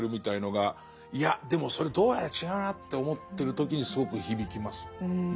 いやでもそれどうやら違うなって思ってる時にすごく響きます。